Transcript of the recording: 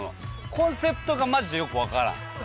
コンセプトがマジでよくわからん。